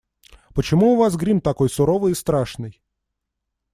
Почему у вас грим такой суровый и страшный?